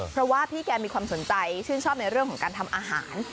เพราะว่าพี่แกมีความสนใจชื่นชอบในเรื่องของการทำอาหาร